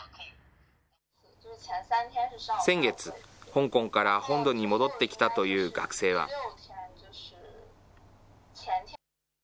先月、香港から本土に戻ってきたという学生は。